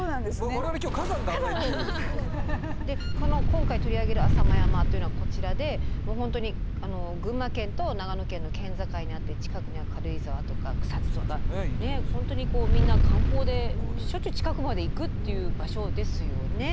今回取り上げる浅間山というのはこちらで本当に群馬県と長野県の県境にあって近くには軽井沢とか草津とか本当にみんな観光でしょっちゅう近くまで行くっていう場所ですよね。